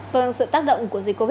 vâng sự tác động của dịch covid